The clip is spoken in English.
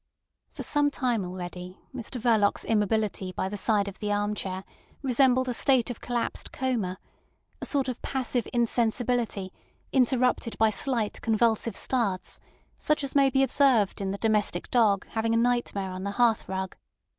For sometime already Mr Verloc's immobility by the side of the arm chair resembled a state of collapsed coma—a sort of passive insensibility interrupted by slight convulsive starts, such as may be observed in the domestic dog having a nightmare on the hearthrug.